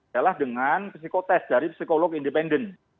yalah dengan psikotest dari psikolog independen